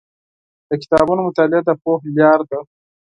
د کتابونو مطالعه د پوهې لاره ده.